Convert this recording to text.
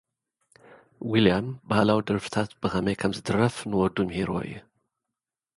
ዊልያም፡ ባህላዊ ደርፍታት ብኸመይ ከምዝድረፍ ንወዱ ምሂርዎ እዩ።